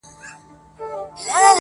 لوړ دی ورگورمه، تر ټولو غرو پامير ښه دی~